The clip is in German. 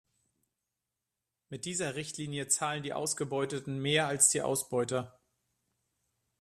Mit dieser Richtlinie zahlen die Ausgebeuteten mehr als die Ausbeuter.